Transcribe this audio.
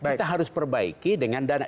kita harus perbaiki dengan dana